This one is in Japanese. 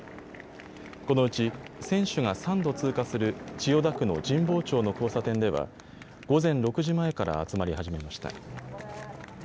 このうち選手が３度通過する千代田区の神保町の交差点では午前６時前から集まり始めました。